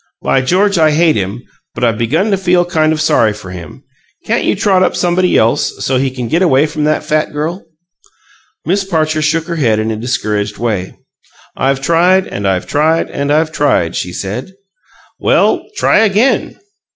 By George! I hate him, but I've begun to feel kind of sorry for him! Can't you trot up somebody else, so he can get away from that fat girl?" Mrs. Parcher shook her head in a discouraged way. "I've tried, and I've tried, and I've tried!" she said. "Well, try again."